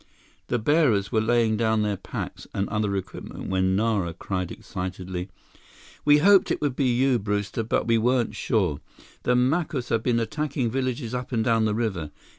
The bearers were laying down their packs and other equipment when Nara cried excitedly: "We hoped it would be you, Brewster, but we weren't sure. The Macus have been attacking villages up and down the river.